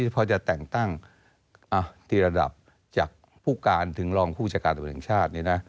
พอจะแต่งตั้งที่ระดับจากผู้การถึงรองผู้จัดการธรรมชาติเนี่ยนะ